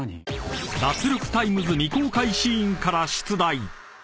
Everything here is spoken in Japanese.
［『脱力タイムズ』未公開シーンから出題］